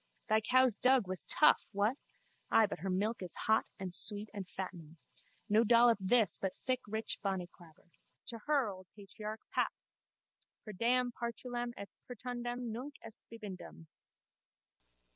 Thy cow's dug was tough, what? Ay, but her milk is hot and sweet and fattening. No dollop this but thick rich bonnyclaber. To her, old patriarch! Pap! _Per deam Partulam et Pertundam nunc est bibendum!